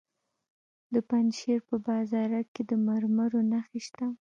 د پنجشیر په بازارک کې د مرمرو نښې شته.